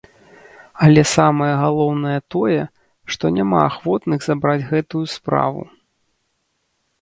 Але самае галоўнае тое, што няма ахвотных забраць гэтую справу.